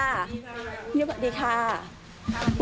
สวัสดีค่ะ